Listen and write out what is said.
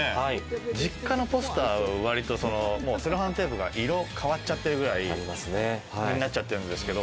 実家のポスター、わりとセロハンテープが色、変わっちゃってるくらいになってるんですけど。